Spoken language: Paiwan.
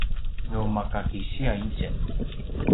nu maka kisiya itjen